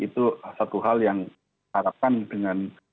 itu satu hal yang harapkan dengan